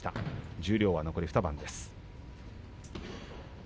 十両残り２番です。